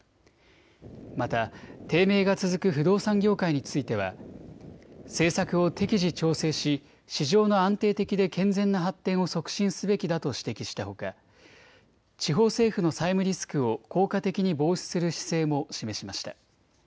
また低迷が続く不動産業界については政策を適時調整し市場の安定的で健全な発展を促進すべきだと指摘したほか地方政府の債務リスクを効果的に防止する姿勢も示しました。